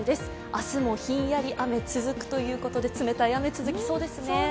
明日もひんやり、雨続くということで冷たい雨、続きそうですね。